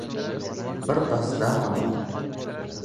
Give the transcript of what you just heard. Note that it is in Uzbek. — Birpas dam oling.